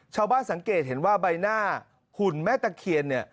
ชาวบ้านสังเกตเห็นว่าใบหน้าหุ่นแม่ตะเคียนเนี่ย